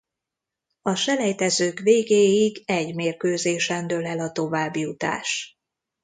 A selejtezők végéig egy mérkőzésen dől el a továbbjutás.